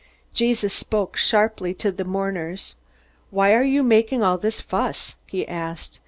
Jesus spoke sharply to the mourners. "Why are you making all this fuss?" he asked.